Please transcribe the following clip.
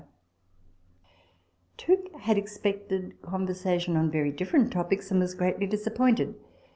Tooke had expected conversation on very different topics, and was greatly disappointed.